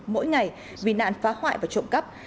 mỗi ngày vì nạn phá hoại và trộm cắp